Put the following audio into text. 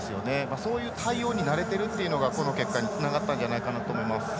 そういう対応に慣れているというのがこの結果につながったんじゃないかなと思います。